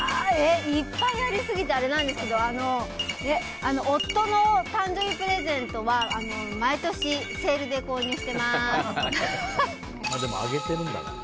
いっぱいありすぎてあれなんですけど夫の誕生日プレゼントは毎年セールで購入してます。